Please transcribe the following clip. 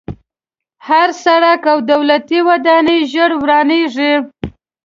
هر سړک او دولتي ودانۍ ژر ورانېږي.